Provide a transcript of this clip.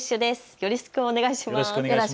よろしくお願いします。